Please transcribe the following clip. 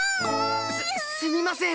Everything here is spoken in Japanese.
すすみません！